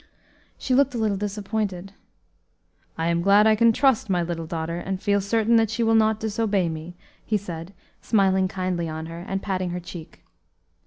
She looked a little disappointed. "I am glad I can trust my little daughter, and feel certain that she will not disobey me," he said, smiling kindly on her, and patting her cheek.